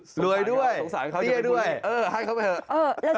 สุดยอดดีแล้วล่ะ